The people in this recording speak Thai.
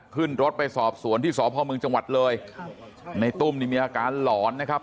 ขึ้นรถไปสอบสวนที่สพเมืองจังหวัดเลยในตุ้มนี่มีอาการหลอนนะครับ